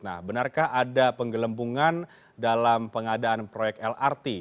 nah benarkah ada penggelembungan dalam pengadaan proyek lrt